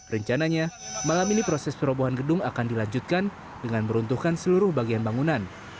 rencananya malam ini proses perobohan gedung akan dilanjutkan dengan meruntuhkan seluruh bagian bangunan